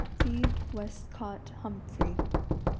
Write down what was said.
Phebe Westcott Humphrey.